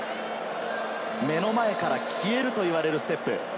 目の前から消えると言われるステップ。